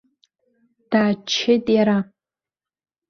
Дааччеит иара.